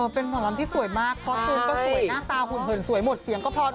เป็นหมอลำที่สวยมากเพราะตูมก็สวยหน้าตาหุ่นเหินสวยหมดเสียงก็พอ